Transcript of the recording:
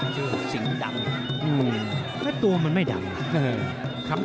ชื่อสิงห์ดำแล้วตัวมันไม่ดำ